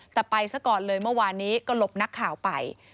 แต่ไปซะก่อนเลยเมื่อวานนี้ก็หลบนักข่าวไป